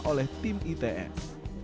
oleh tim its